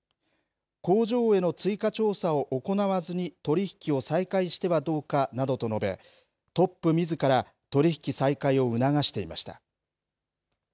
工場への追加調査を行わずに取り引きを再開してはどうかなどと述べ、トップみずから取り引き再開を促していました。